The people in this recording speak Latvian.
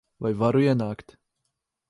Vai varu ienākt?